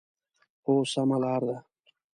هو، سمه لار ده